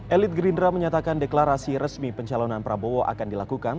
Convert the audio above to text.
elit gerindra menyatakan deklarasi resmi pencalonan prabowo akan dilakukan